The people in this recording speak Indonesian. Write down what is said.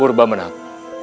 hai purba menang